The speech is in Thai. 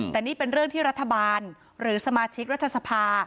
แต่นี่เป็นเรื่องที่รัฐบาลหรือสมาชิกรัฐสภา